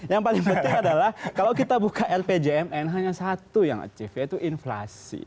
yang paling penting adalah kalau kita buka rpjmn hanya satu yang achieve yaitu inflasi